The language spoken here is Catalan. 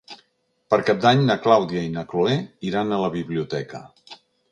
Per Cap d'Any na Clàudia i na Cloè iran a la biblioteca.